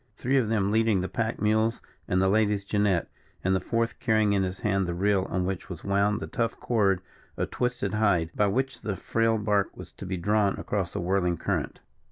Three of them leading the pack mules and the lady's jinnet, and the fourth carrying in his hand the reel on which was wound the tough cord of twisted hide, by which the frail bark was to be drawn across the whirling current.